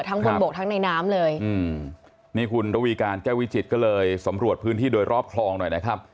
บนบกทั้งในน้ำเลยอืมนี่คุณระวีการแก้ววิจิตก็เลยสำรวจพื้นที่โดยรอบคลองหน่อยนะครับ